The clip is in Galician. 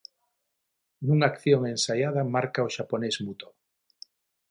Nunha acción ensaiada marca o xaponés Muto.